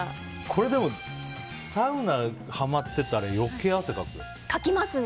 これ、でも、サウナにはまってたら余計に汗かくよ。